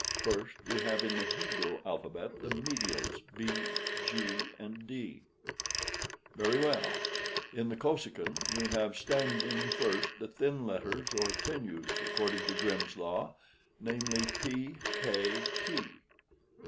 First, we have in the Hebrew alphabet the medials B, G, and D. Very well; in the Kosekin we have standing first the thin letters, or tenues, according to Grimm's Law, namely, P, K, T.